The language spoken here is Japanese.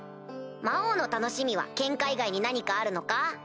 魔王の楽しみはケンカ以外に何かあるのか？